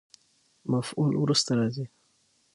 مفعول وروسته راځي.